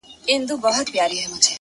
د زړگي شال دي زما پر سر باندي راوغوړوه،